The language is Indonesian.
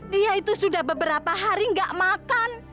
dia itu sudah beberapa hari nggak makan